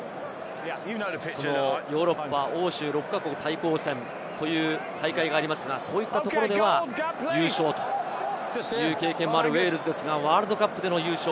欧州６か国対抗戦という大会がありますが、そういったところでは優勝という経験もあるウェールズですが、ワールドカップでの優勝。